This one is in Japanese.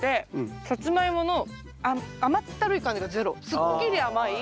すっきり甘い。